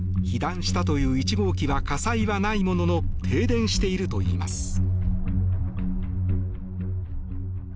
被弾したという１号機は火災はないものの停電しているといいます。